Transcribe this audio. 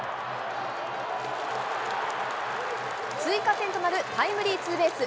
追加点となるタイムリーツーベース。